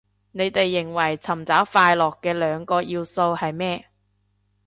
你哋認為尋找快樂嘅兩個要素係咩